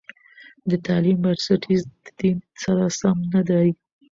د تعليم بندیز د دین سره سم نه دی.